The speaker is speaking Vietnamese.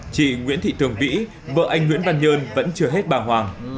chị nguyễn thị tường vĩ vợ anh nguyễn văn nhơn vẫn chưa hết bàng hoàng